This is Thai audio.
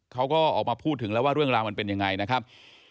เขาก็ออกมาพูดถึงแล้วว่าเรื่องราวมันเป็นยังไงนะครับ